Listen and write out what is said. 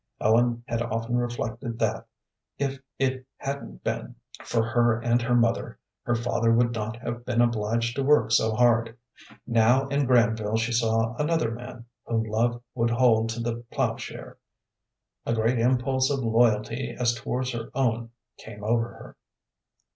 Ellen had often reflected that, if it hadn't been for her and her mother, her father would not have been obliged to work so hard. Now in Granville she saw another man whom love would hold to the ploughshare. A great impulse of loyalty as towards her own came over her.